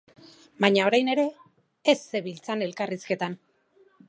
Baina orain ere ez zebiltzan elkarrizketan.